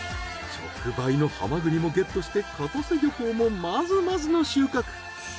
直売のハマグリもゲットして片瀬漁港もまずまずの収穫。